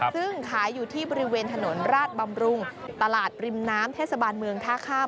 ซึ่งขายอยู่ที่บริเวณถนนราชบำรุงตลาดริมน้ำเทศบาลเมืองท่าข้าม